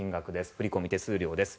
振込手数料です。